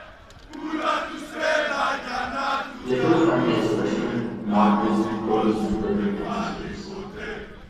Letov family has Russian, Mordvin, Komi and Turkic ancestors.